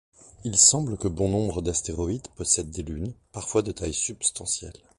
Il semble que bon nombre d'astéroïdes possèdent des lunes, parfois de taille substantielle.